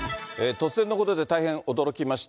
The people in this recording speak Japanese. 突然のことで大変驚きました。